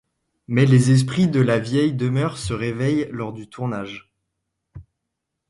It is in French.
Mais les esprits de la vieille demeure se réveillent lors du tournage...